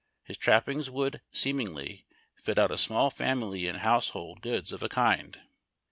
His trap pings would, seemingly,, fit out a small family in houseiiold goods of a kind.